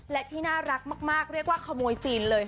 และที่น่ารักมากเรียกว่าขโมยซีนเลย